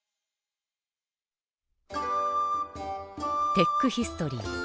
テックヒストリー。